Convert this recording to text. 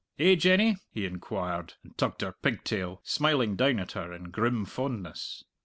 Eh, Jenny?" he inquired, and tugged her pigtail, smiling down at her in grim fondness.